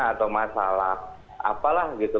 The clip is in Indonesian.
atau masalah apalah gitu